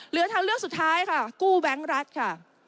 เหลือทางเลือกสุดท้ายค่ะกู้แบงค์รัฐค่ะ